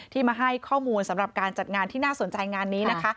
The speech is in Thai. มาให้ข้อมูลสำหรับการจัดงานที่น่าสนใจงานนี้นะคะ